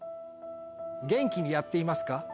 元気にやっていますか？